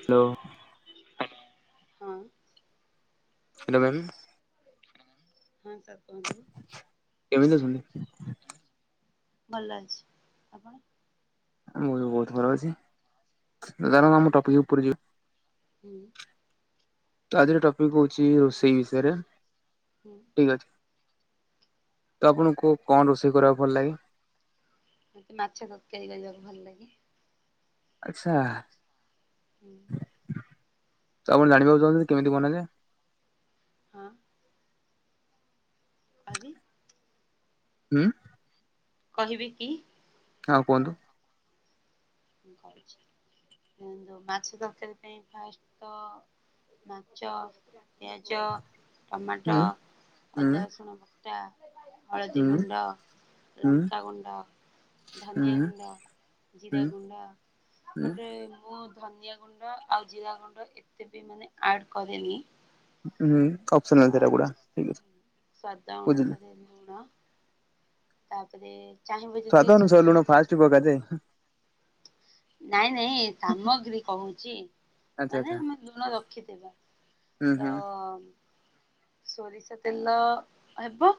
Hello. ହଁ। Hello ma'am ହଁ sir କୁହନ୍ତୁ। କେମିତି ଅଛନ୍ତି? ଭଲ ଅଛି। ଆପଣ? ମୁଁ ବି ବହୁତ ଭଲ ଅଛି। ଚାଲୁନ ଆଚ୍ଛା ଆମ ଟପିକ ଉପରେ ଯିବା ହୁଁ। ତ ଆଜିର ଟପିକ ହଉଛି ରୋଷେଇ ବିଷୟରେ। ହୁଁ। ଠିକ୍ ଅଛି। ତ ଆପଣଙ୍କୁ କୋଉ କଣ ରୋଷେଇ କରିବାକୁ ଭଲ ଲାଗେ? ମତେ ମାଛ ତରକାରୀ କରିବାକୁ ଭଲ ଲାଗେ। ଆଚ୍ଛା, ହୁଁ ତ ଆପଣ ଜାଣିବାକୁ ଚାହୁଁଛନ୍ତି କେମିତି ବନାଯାଏ? ହଁ [unintelligible] ଉଁ କହିବି କି? ଆଉ କୁହନ୍ତୁ। ଆଚ୍ଛା। ଏ ଯୋଉ ମାଛ ତରକାରୀ ପାଇଁ ଫାଷ୍ଟ ତ ମାଞ୍ଚ, ପିଆଜ, ଟମାଟ, ହୁଁ ହୁଁ ଅଦା ରସୁଣ ଅଦା, ହଳଦୀ ହୁଁ ଗୁଣ୍ଡ, ହୁଁ ଲଙ୍କାଗୁଣ୍ଡ, ଧନିଆ ହୁଁ ଗୁଣ୍ଡ ହଦିଆ ହୁଁ ଗୁଣ୍ଡ, ହୁଁ ଏପଟରେ ମୁଁ ଧନିଆ ଗୁଣ୍ଡ ଆଉ ଜିରା ଗୁଣ୍ଡ ଏତେ ବି ମାନେ ଆଡ଼ କରେନି। ହୁଁ [unintelligible] ଠିକ ଅଛି। ସ୍ୱାଦ ବୁଝିଲି। ଅଣସରେ ନୁଣ ତାପରେ। ଚାହିଁବ ଯଦି ସ୍ୱାଦ ଅନୁସାରେ ସୋରିଷ ଲୁଣ ତେଲ ଫାଷ୍ଟ ପକାଯାଏ। ନାଇଁ ନାଇଁ ସାମଗ୍ରୀ କହୁଛି, ଆଚ୍ଛା ଆଚ୍ଛା ମାନେ ଆମେ ଲୁଣ ରଖିଥିବା। ହୁଁ ତ ହୁଁ ଅ ସୋରିଷ ତେଲ ହବ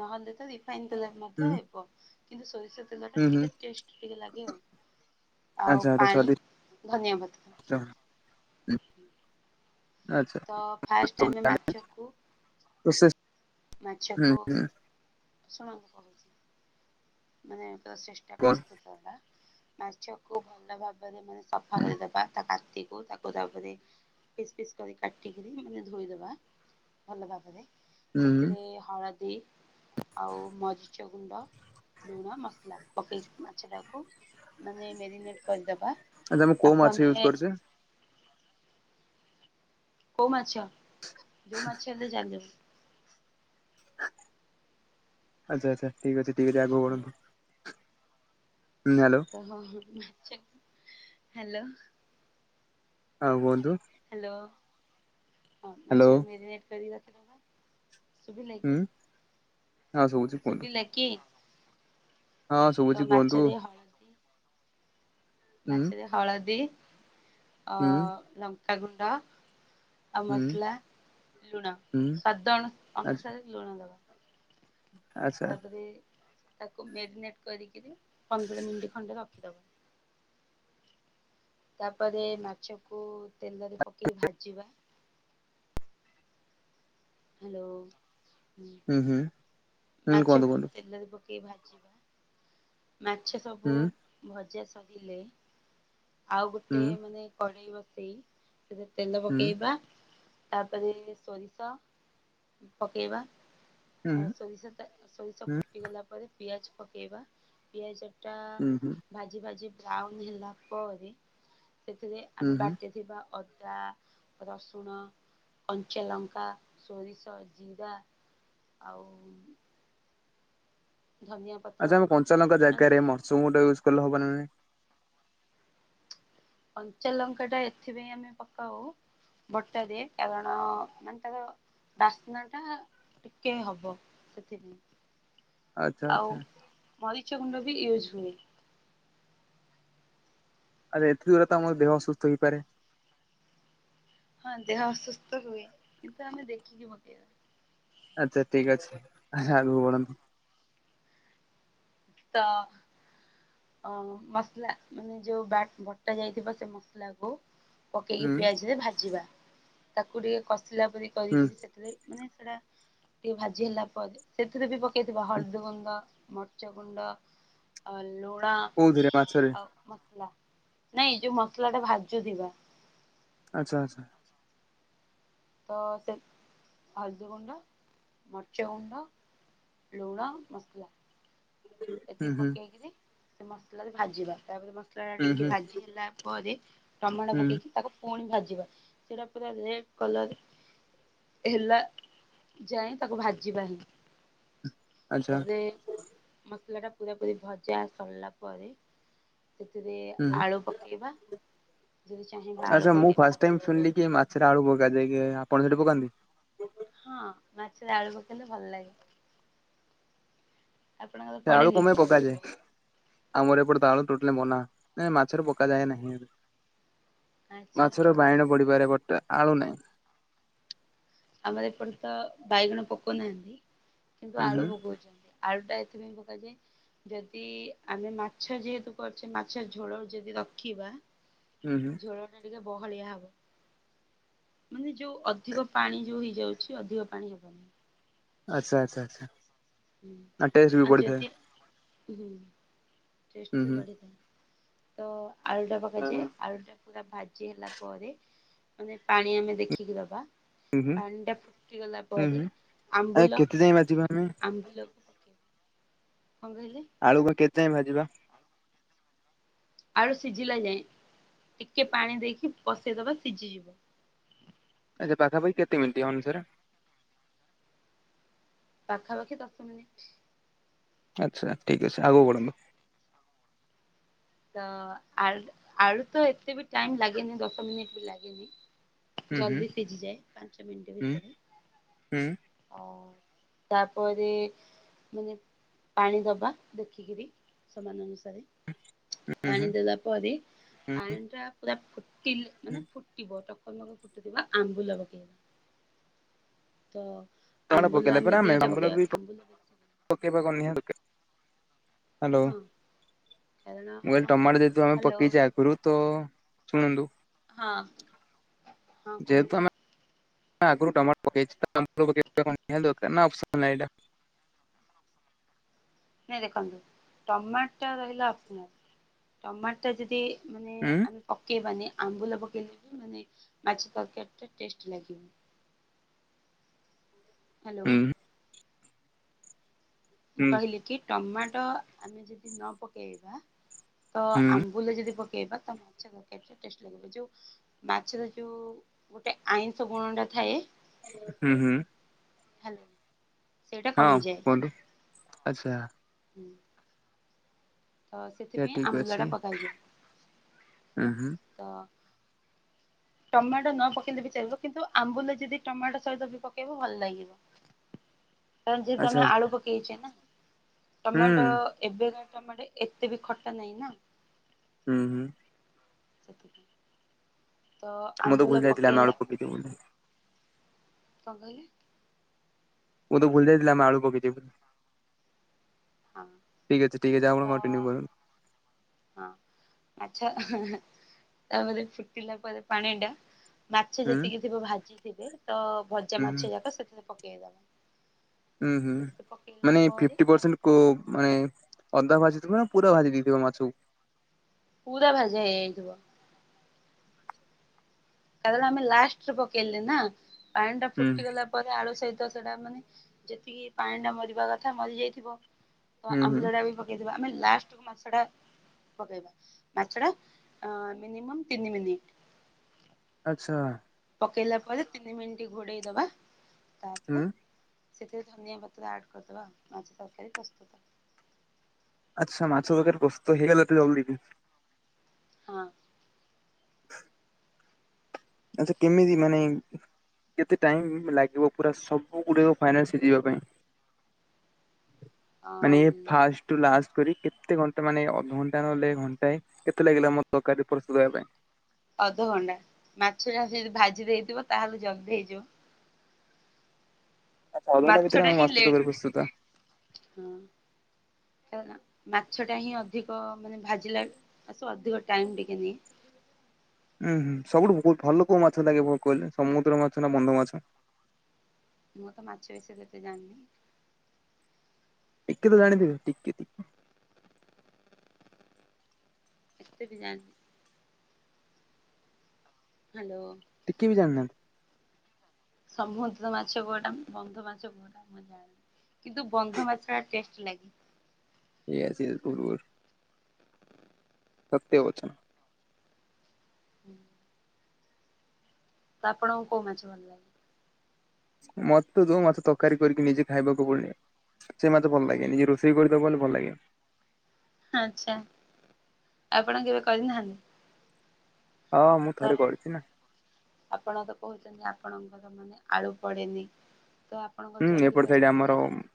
ନହେଲେ ତ ରିଫାଇନ ତେଲରେ ହୁଁ ମଧ୍ୟ ହେବ। କିନ୍ତୁ ସୋରିଷ ତେ ତେଲ ଟା ହୁଁ ହୁଁ ଟିକେ ଟେଷ୍ଟ ଟିକେ ଲାଗେ ଆଉ ଆଉ ଆଚ୍ଛା ତ ପାଣି, ସ୍ୱାଦିଷ୍ଟ ଧନିଆପତ୍ର। ଆଚ୍ଛା ତ ଫାଷ୍ଟ ଆମେ [unintelligible] ମାଛକୁ ବିଶେଷ ମାଛକୁ ଶୁଣନ୍ତୁ କହୁଛି। ମାନେ ପ୍ରସେସ ଟା କଣ ପ୍ରସ୍ତୁତ ହେଲା ମାଛକୁ ଭଲ ଭାବରେ ମାନେ। ସଫା ହୁଁ କରିଦବା ତା କାତିକୁ ତାକୁ। ତା ଉପରେ ପିସ୍ ପିସ୍ କରି କାଟିକରି ମାନେ ଧୋଇଦବା ଭଲ ଭାବରେ। ହୁଁ ସେଥିରେ ହଳଦୀ ଆଉ ମରିଚ ଗୁଣ୍ଡ। ଲୁଣ ମସଲା ପକେଇକି ମାଛଟାକୁ ମାନେ ମ୍ୟାରିନେଟ୍ କରିଦବା। ଆ ଆମେ କଉ ମାଛର ୟୁଜ କରୁଛେ? କଉ ମାଛ ଯୋଉ ମାଛ ହେଲେ ଚାଲିବ। ଆଚ୍ଛ ଆଚ୍ଛ ଠିକ ଅଛିି ଠିକ ଅଛି ଆଗକୁ ବଢନ୍ତୁ। ମାଛ ହୁଁ ହ୍ୟାଲୋ। [inaudible] ହ୍ୟାଲୋ। ହଁ କୁହନ୍ତୁ। ହ୍ୟାଲୋ ହଁ ହ୍ୟାଲୋ ମାଛକୁ ମେରିନଟ କରିିକି ରଖିଦେବା। ହୁଁ ହଁ ସୁବୁଚି। ସୁୁବିଲା କି? ହଁ ତ ଶୁଭୁଛି କୁହନ୍ତୁ। ମାଛରେ ହଳଦୀ ହୁଁ ମାଛରେ ହଳଦୀ ଅ ହୁଁ ଲଙ୍କାଗୁଣ୍ଡ ଆଉ ହୁଁ ମସଲା ଲୁଣ ହୁଁ ସ୍ୱାଦ ଅଣୁ ଆଚ୍ଛା ଅନୁସାରେ ଲୁଣ ଦବା। ଆଚ୍ଛା। ତାପରେ ତାକୁ ମ୍ୟାରିନେଟ କରିକିରି ପନ୍ଦର ମିନିଟ ଖଣ୍ଡେ ରଖିଦବା। ତାପରେ ମାଛକୁ ତେଲରେ ପକେଇ ଭାଜିବା। ହ୍ୟାଲୋ ହୁଁ ହୁଁ ହୁଁ କୁହନ୍ତୁ ମାଛକୁ କୁହନ୍ତୁ ତେଲରେ ପକେଇି ଭାଜିବା। ମାଛ ସବୁ ହୁଁ ଭଜା ସରିଲେ। ଆଉ ହୁଁ ଗୋଟେ ମାନେ କଡେଇ ବସେଇ ସେଥି ତେଲ ହୁଁ ପକେଇବା। ତାପରେ ସୋରିଷ ପକେଇବା। ହୁଁ ହୁଁ ସୋରିଷଟା ସୋରିଷ ହୁଁ ହୁଁ। ଫୁଟିଗଲା ପରେ ପିଆଜ ପକେଇବା ପିଆଜଟା? ଭାଜି ଭାଜି ବ୍ରାଉନ ହେଲା ପରେ ସେଥିରେ ହୁଁ ଆମେ ହୁଁ ବାଟିଥିବା ଅଦା, ରସୁଣ, କଞ୍ଚାଲଙ୍କା ସୋରିଷ ଜିରା ଆଉ। ଧନିଆ ପତ୍ର ଆଚ୍ଛା ଆମେ କଞ୍ଚାଲଙ୍କା ମାନେ ଜାଗାରେ ଆମେ ମର୍ଚ ଗୁଣ୍ଡ ୟୁଜ୍ କଲେ ହବ୍ ନା ନାଇଁ? କଞ୍ଚଲଙ୍କାଟା ଏଥିପାଇଁ ଆମେ ପକାଉ ବଟାରେ କାରଣ ତାର ବାସ୍ନାଟା ଟିକେ ହବ ସେଥିପାଇଁ। ଆଚ୍ଛା ଆଉ ଆଚ୍ଛା ମରିଚ ଗୁଣ୍ଡ ବି ୟୁଜ ହୁଏ। ଆ ଏଥି ଦ୍ୱାରା ତ ଆମର ଦେହ ଅସସ୍ଥ ହେଇପାରେ। ହଁ ଦେହ ଅସୁସ୍ଥ ହୁଏ କିନ୍ତୁ ଆମେ ଦେଖିକି ପକେଇବା। ଆଚ୍ଛା ଠିକ ଅଛି ଆଗକୁ ବଢନ୍ତୁ। ତ ଅ ମସଲା ମାନେ ଯୋଉ ବଟା ଯାଇଥିବ ସେ ମସଲାକୁ ପକେଇକି ହୁଁ ପିଆଜରେ ଭାଜିବା ତାକୁ ଟିକେ କଷିଲା ପରି ହୁଁ କରିକିରି ସେଥିରେ ମାନେ ସେଟା ଟିକେ ଭାଜି ହେଲା ପରେ, ସେଥିରେ ବି ପକେଇଥିବା ହଳଦୀ ଗୁଣ୍ଡ, ମର୍ଚ ଗୁଣ୍ଡ- ଅ ଲୁଣ- କଉଁଥିରେ ମାଛରେ- ମସଲା, ନାଇଁ ଯୋଉ ମସଲା ଟା ଭାଜୁଥିବା। ଆଚ୍ଛା ଆଚ୍ଛା ତ ସେ ହଳଦୀ ଗୁଣ୍ଡ, ମର୍ଚ୍ୟ ଗୁଣ୍ଡ, ଲୁଣ, ମସଲା ହୁଁ ଏତିକି ହୁଁ ପକେଇକିରି ସେ ମସଲାରେ ଭାଜିବା, ତାପରେ ମସଲା ଟା ହୁଁ ଟିକେ ହୁଁ ଭାଜି ହେଲା ପରେ, ଟମାଣ ହୁଁ ପକେଇକି ତାକୁ ପୁଣି ଭାଜିବା। ସେଟା ପୁରା ରେଡ କଲର ହେଲା ଯାଏ ତାକୁ ଭାଜିବା ହିଁ। ଆଚ୍ଛା ତାପରେ- ମସଲା ଟା ପୁରା ପୁର ଭଜା ସରିଲା ପରେ ସେଥିରେ ହୁଁ ଆଳୁ ପକେଇବା। ଯଦି ଚାହିଁବା ଆଚ୍ଛା ଆଳୁ ମୁଁ ଫାଷ୍ଟ ପକେଇବା। ଟାଇମ ଶୁଣିଲି କି ମାଛରେ ଆଳୁ ପକାଯାଇକି। ଆପଣ ସେଠି ପକାନ୍ତି? ହଁ। ମାଛରେ ଆଳୁ ପକେଇଲେ ଭଲ ଲାଗେ। ଆପଣଙ୍କର ସେ ଆଳୁ ପଡେନି କଣ କି ପାଇଁ ପକାଯାଏ? ଆମର ଏପଟେ ତାଳ ଟୋଟାଲି ମନା, ନା ମାଛରେ ପକାାଯ ଯାଏ ନାହିଁ। ଆଚ୍ଛା ମାଛର ବାଇଣ ବଡିପାରେ ଗୋଟେ ଆଳୁ ନାହିଁ। ଆମର ଏପଟେ ତ ବାଇଗଣ ପକାଉନାହାନ୍ତି। କିନ୍ତୁ ଉଁ ଆଳୁ ହୁଁ ପକଉଛନ୍ତି। ଆଳୁ ଟା ଏଥିପାଇଁ ପକାଯାଏ ଯଦି ଆମେ ମାଛ ଯେହେତୁ କରୁଛେ, ମାଛ ଝୋଳ ଯଦି ରଖିବା- ହୁଁ ହୁଁ ଝୋଳ ଟା ଟିକେ ବହଳିଆ ହବ। ମାନେ ଯୋଉ ଅଧିକ ପାଣି ଯୋଉ ହେଇଯାଉଛି ଅଧିକ ପାଣି ହବନିଁ। ଆଚ୍ଛା ଆଚଛା ଆଚଛା। ହଁ। ଆ ଯଦି ହଁ। ଟେଷ୍ଟ ହୁଁ ବି ହୁଁ। ବଢିଥାଏ। ତ ଆଳୁଟା ଉଁ ହୁଁ ପକେଇାଯାଏ ଆଳୁଟା ପୁରା ଭାଜି ହେଲା ପରେ ମାନେ, ପାଣି ଆମେ ଦେଖିକି ଦବା। ପାଣିଟା ଫୁଟିଗଲା ପରେ ଆମ୍ବୁଲ ଯାଇ ବାଜିବା ଆମେ [unintelligible] ଆମ୍ବୁଲ କଣ କହିଲେ? ଆଳୁ କୁ କେତେ ଟାଇମ ଭାଜିବା। ଆଳୁ ସିଝିଲା ଯାଏଁ। ଟିକେ ପାଣି ଦେଇକି ପସେଇଦବା ସିଝିଯିବ। ଆଚ୍ଛା ପାଖାପାଖି କେତେ ମିନି୍ିଟ ଅନୁସାର୍ ପାଖାପାଖି ଦଶ ମିନିଟ। ଆଚ୍ଛା ଠିକ ଅଛି। ଆଗକୁବଢ଼ନ୍ତୁ। ତ ଆ ଆଳୁ ତ ଏତେ ବି ଟାଇମ ଲାଗେନି ଦଶ ମିନିଟ୍ ବି ଲାଗେନି। ହୁଁ ହୁଁ। ଜଲ୍ଦି ଫିଜିି ଯା ପାଞ୍ଚ ମିନିଟ ହୁଁ ଭିତରେ। ଆଉ [inaudible] ତାପରେ ମାନେ ପାଣି ଦବା, ଦେଖିକିରି ସମାନ ଅନୁସାରେ, ହୁଁ ପାଣି ଦେଲା ପରେ ପାଣି ଟା ପୁରା ଫୁିଲ ହୁଁ ମାନେ ଫୁଟିବ ଧକନ ଆମ୍ବୁଲ ପକାଇବା। ତ ଟମାଟୋ ଆମ୍ବୁଲ ପକେଇଲେ ପରେ ଆମେ ଦିଟା ଆମ୍ବୁଲ ପକେଇବା। ବି ଆମ୍ବୁଲ ପକେଇବା କଣ ନିହାତି ଦରକାର? ହ୍ୟାଲୋ ହଁ କାରଣ ମୁଁ କହିଲେ ଟମାଟୋ ଦେଇଥିଲୁ ଆମେ ହ୍ୟାଲୋ। ପକେଇଛେ ଆଗରୁ ତ ଶୁଣନ୍ତୁ, ହଁ। ହଁ କୁହନ୍ତୁ ଯେହେତୁ ଆମେ ନା ଆଗରୁ ଟମାଟୋ ପକେଇଛି ପକେଇ ଦରକାର ନା ଅପସ ନାଁ। ନାଇଁ ଦେଖନ୍ତୁ ଟମାଟର ରହିଲା ଅଫସନାଲ। ଟମାଟ ଯଦି ମାନେ ଉଁ ଆମ ପକେଇ ବାନି ଆମ୍ବୁଲ ପକେଇଲେ ବି ମାନେ ମାଛ ତରକାରୀ ଟା ଟେଷ୍ଟ ଲାଗିବ। ହ୍ୟାଲୋ। ହୁଁ ମୁଁ ହୁଁ କହିଲି କି ଟମାଟୋ ଆମେ ଯଦି ନ ପକେଇବା ତ ଆମ୍ବ ହୁଁ ଆମ୍ବୁଲ ଯଦି ପକେଇବା ତ ମାଛ ତରକାରୀ ଟା ଟେଷ୍ଟ ଲାଗିବ। ଯୋଉ ମାଛର ଯୋଉ ଗୋଟେ ଆଇଁଷ ଗୁଣଟା ଥାଏ ହୁଁ ହୁଁ। ହ୍ୟାଲୋ। ସେଇଟା ହଁ କମିଯାଏ କୁହନ୍ତୁ। ଆଚ୍ଛା। [inaudible] ତ ଏହା ସେଥିପାଇଁ ଠିକ ଅଛି ଆମ୍ବୁଲଟା ପକାଯାଏ। ଉଁ ହୁଁ ତ ଟମାଟୋ ନ ପକେଇଲେ ବି ଚଳିବ। କିନ୍ତୁ ଆମ୍ବୁଲ ଯଦି ଟମାଟୋ ସହିତ ବି ପକେଇବ ଭଲ ଲାଗିବ। କାରଣ ଆଚ୍ଛା ଯେହେତୁ ଆଳୁ ପକେଇଚେ ନା, ହୁଁ ଟମାଟୋ ଏବେ କା ଟମାଟୋ ଏତେ ବି ଖଟା ନାହିଁ ନା। ହୁଁ ହୁଁ। [unintelligible] ତ ମୁଁ ତ ଆମ୍ବୁଲ ଭୁଲି ଯାଇଥିଲି ଆମେ ପକେଇଲା ଆଳୁ ପକେଇଚୁ ବୋଲି। କଣ କହିଲେ? ମୁଁ ତ ଭୁଲ ଯାଇଥିଲି ଆମେ ଆଳୁ ପକେଇଚୁ ବୋଲି। ହଁ ଠିକ୍ ଅଛି ଠିକ୍ ଅଛି ତ ଆପଣ କଣ୍ଟିିନ୍ୟୁ କରନ୍ତୁ। ହଁ। ଆଚ୍ଛା ତାପରେ ଫୁଟିଲା ପରେ ପାଣିଟା ମାଛ ହୁଁ ଯେତିକି ଥିବ ଭାଜିଥିବେ ତ ଭଜା ହୁଁ ମାଛ ହୁଁ ଯାକ ସେଥିରେ ପକେଇଦବ। ଉଁ ହୁଁ। ମାନେ ପରେ ଫିଫ୍ଟି ପରସେଣ୍ଟ କୋଉ ମାନେ ଅଧା ଭାଜିି ଥିବ ନା ପୁରା ଭାଜି ଦେଇଥିବ ମାଛ କୁ? ପୁରା ଭାଜା ହେଇଯାଇଥିବ। ତା ଦେହରେ ଆମେ ଲାଷ୍ଟ ପକେଇଲେ ନା ପାଣି ଟା ହୁଁ ଫୁଟିଗଲା ପରେ ଆଳୁ ସହିତ ସେଟା ମାନେ ଯେତିକି ପାଣି ଟା ମରିବା କଥା ମରିଯାଇଥିବ। ତ ହୁଁ ହୁଁ ଆମ୍ବୁଲଟା ବି ପକେଇଦବା। ଆମେ ଲାଷ୍ଟକୁ ମାଛ ଟା ପକେଇବା। ମାଛଟା ମିନିମମ୍ ତିନି ମିନିଟ। ଆଚ୍ଛା। ପକେଇଲା ପରେ ତିନି ମିନିଟ୍ ଘୋଡେଇ ଦବା। ତାପରେ ହୁଁ ସେଥିରେ ଧନିଆ ପତ୍ର ଆଡ଼୍ କରିଦେବା ଆଉ। ମାଛ ତରକାରୀ ପ୍ରସ୍ତୁତ। ଆଚ୍ଛା ମାଛ ତରକାରୀ ରେ ପ୍ରସ୍ତୁତ ହେଇଗଲା ଏତେ ଜଲଦି। ହଁ। ଆଚ୍ଛା କେମିତି ମାନେ କେତେ ଟାଇମ ଲାଗିବ ପୁରା ସବୁ ଗୁଡିକ ଫାଇନାଲ ସିଯିବା ପାଇଁ? ଅ ମାନେ ଏ ଫାଷ୍ଟ ଠୁ ଲାଷ୍ଟ କରି କେତେ ଘଣ୍ଟା ମାନେ ଅଧଘଣ୍ଟା ନହେଲେ ଘଣ୍ଟାଏ କେତେ ଲାଗିଲା ଆମ ତରକାରୀ ପ୍ରସ୍ତୁତ ହବା ପାଇଁ? ଅଧଘଣ୍ଟା। ମାଛଟା ଯଦି ଭାଜି ଦେଇଥିବ ତାହେଲେ ଜଲ୍ଦି ହେଇଯିବ। ଅଧ ଘଣ୍ଟା ଭିତରେ ମାଛ ଭିତରେ ଟା ଆମର ହିଁ ମାଛ ଲେଟ୍ ତରକାରୀ ପ୍ରସ୍ତୁତ। ହଁ। କାହିଁନା ମାଛଟା ହିଁ ଅଧିକ ମାନେ ଭାଜିଲା ଆଞ୍ଚ ଅଧିକ ଟାଇମ୍ ଟିକେ ନିଏ। ଉଁ ହୁଁ। ସବୁଠୁ ବହୁତ ଭଲ କୋଉ ମାଛ ଲାଗେ କହିଲେ ସମୁଦ୍ର ମାଛ ନା ବନ୍ଧ ମାଛ? ମୁଁ ତ ମାଛ ବଷୟରେ ଏତେ ଜାଣିନି। ଟିକେ ତ ଜାଣିଥିବେ। ଟିକେ ଟିକେ। ଏତେ ବି ଜାଣିନି। ହ୍ୟାଲୋ। ଟିକେ ବି ଜାଣିନାହାନ୍ତି? ସମୁଦ୍ର ମାଛ କୋଉଟା ବନ୍ଧ ମାଛ କୋଉଟା ମୁଁ ଜାଣିନି। କିନ୍ତୁ ବନ୍ଧ ମାଛ ଟା ଟେଷ୍ଟ ଲାଗେ। ଇଏ ସିଏ କରୁର୍ ସତ୍ୟବଚନ। ହୁଁ। ତ ଆପଣଙ୍କୁ କୋଉ ମାଛ ଭଲ ଲାଗେ? ମୋତେ ଯୋଉ ମାଛ ତରକାରୀ କରିକି ନିଜେ ଖାଇବାକୁ ପଡେ ସେ ମୋତେ ଭଲ ଲାଗେନି। ଯିଏ ରୋଷେଇ କରି ଦବ ମାନେ ଭଲ ଲାଗେ। ଆଚ୍ଛା ଆପଣ କେବେ କରିନାହାନ୍ତି? ହଁ ମୁଁ ତ ଥରେ କରିଛି ନା। ଆପଣ ତ କହୁଛନ୍ତି ଆପଣଙ୍କର ମାନେ ଆଳୁ ପଡେନି। ତ ଆପଣଙ୍କ ହୁଁ ଜଲଦି ଏପଟ ସାଇଡ ପ୍ରସ୍ତୁତ ଆମର ହେଇଯାଉଥି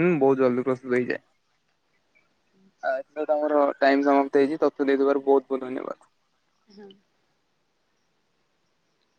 ହୁଁ ବହୁତ ଜଲଦି ପ୍ରସ୍ତୁତ ହେଇଯାଏ। ଆଚ୍ଛା ତୋମର ଟାଇମ୍ ସମାପ୍ତ ହେଇଚି ତଥ୍ୟ ଦେଇଥିବାରୁ ବହୁତ ବହୁତ ଧନ୍ୟବାଦ। ହଁ।